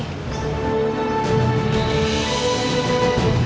dateng ke rumah riki